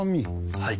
はい。